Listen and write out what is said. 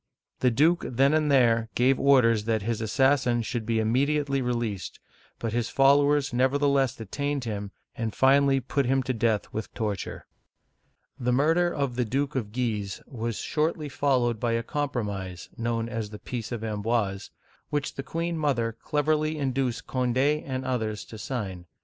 The duke then and there gave orders that his assassin should be immediately released, but his followers neverthe less detained him and finally put him to death with torture. The murder of the Duke of Guise was shortly followed Digitized by Google CHARLES IX. (1560 1574) 257 by a compromise (known as the peace of Amboise), which the queen mother cleverly induced Cond6 and others to sign.